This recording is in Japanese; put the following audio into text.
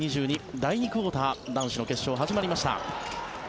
第２クオーター男子の決勝、始まりました。